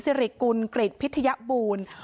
สิริกุลเกรกพิธยบูรณ์